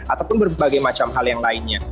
ataupun berbagai macam hal yang lainnya